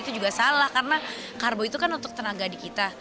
itu juga salah karena karbo itu kan untuk tenaga di kita